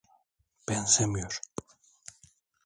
Benzemiyor.